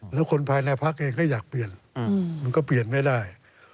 แล้วคนภายในพักเองก็อยากเปลี่ยนมันก็เปลี่ยนไม่ได้